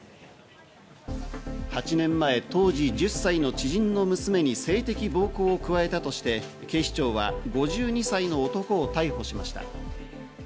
８年前、当時１０歳の知人の娘に性的暴行を加えたとして、警視庁は５２歳の男を逮捕しました。